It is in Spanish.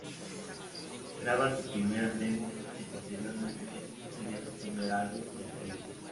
Graban su primer demo que posteriormente seria su primer álbum de estudio.